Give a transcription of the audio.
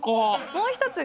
もう一つが。